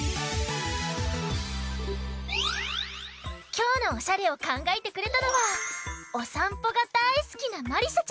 きょうのおしゃれをかんがえてくれたのはおさんぽがだいすきなまりさちゃん。